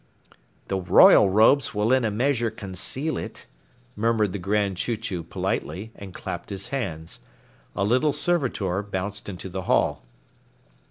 "The royal robes will in a measure conceal it," murmured the Grand Chew Chew politely, and clapped his hands. A little servitor bounced into the hall.